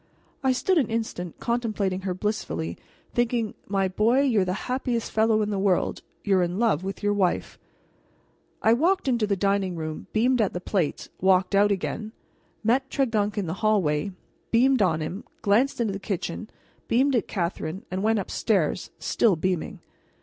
I stood an instant contemplating her blissfully, thinking, "My boy, you're the happiest fellow in the world you're in love with your wife'" I walked into the dining room, beamed at the plates, walked out again; met Tregunc in the hallway, beamed on him; glanced into the kitchen, beamed at Catherine, and went up stairs, still beaming.